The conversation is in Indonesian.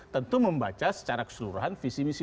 tentu membaca secara keseluruhan visi misi